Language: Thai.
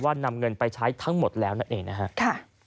ว่านำเงินไปใช้ทั้งหมดแล้วนั่นเอง